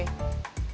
enggak ada kan